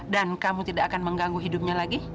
dan kamu tidak akan mengganggu hidupnya lagi